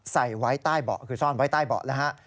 ใส่ไว้ใต้เบาะคือซ่อนไว้ใต้เบาะแล้วฮะ